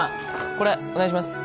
これお願いします